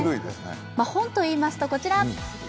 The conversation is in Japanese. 本といいますと、こちら。